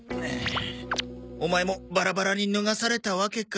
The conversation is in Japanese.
オマエもバラバラに脱がされたわけか。